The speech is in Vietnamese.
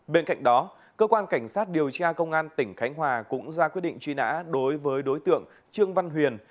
bên cạnh đó cơ quan cảnh sát điều tra công an tỉnh khánh hòa cũng ra quyết định truy nã đối với đối tượng trương văn huyền